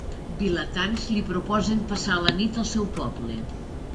Vilatans li proposen passar la nit al seu poble.